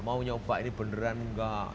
mau nyoba ini beneran enggak